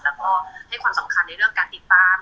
แล้วก็ให้ความสำคัญในเรื่องการติดตาม